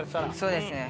そうですね。